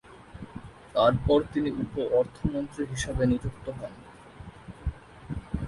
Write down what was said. তারপর তিনি উপ-অর্থমন্ত্রী হিসেবে নিযুক্ত হন।